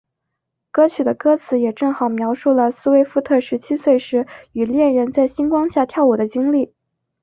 歌曲的歌词也正好描述了斯威夫特十七岁时与恋人在星光下跳舞的经历。